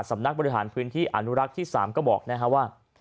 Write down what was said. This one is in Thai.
สำนักบริหารพื้นที่อนุรักษ์ที่๓ก็บอกนะฮะว่า